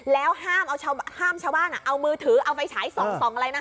แล้วห้ามชาวบ้านเอามือถือเอาไฟฉายส่องอะไรนะคะ